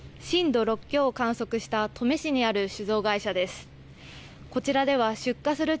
震度６強を観測した登米市にある酒造会社です。